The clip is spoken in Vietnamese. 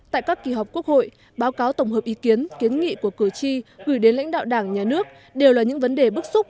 đầu chi gửi đến lãnh đạo đảng nhà nước đều là những vấn đề bức xúc